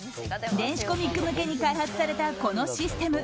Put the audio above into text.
電子コミック向けに開発されたこのシステム